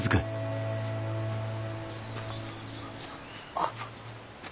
あっ。